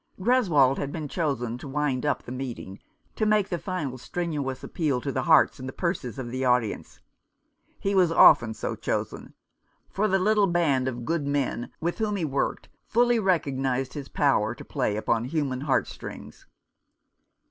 Greswold had been chosen to wind up the meeting, to make the final strenuous appeal to the hearts and purses of the audience. He was often so chosen ; for the little band of good men with whom he worked fully recognized his power to play upon human heart strings.